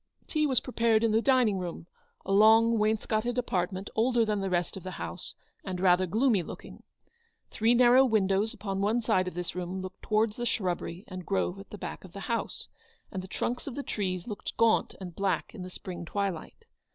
Tea was prepared in the dining room, a long wainscoted apartment older than the rest of the house, and rather gloomy looking. Three narrow windows upon one side of this room looked towards the shrubbery and grove at the back of 260 ELEANOR'S VICTORY. the house, and the trunks of the trees looked gaunt and black in the spring twilight.